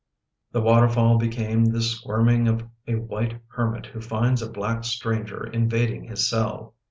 The waterfall became the squirming of a white hermit who finds a black stranger invading his cell.